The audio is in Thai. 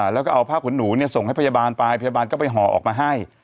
แล้วก็เอาผ้าขนหนูส่งให้พยาบาลไปพยาบาลก็ไปห่อออกมาให้